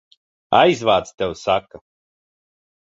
Aizvāc, tev saka!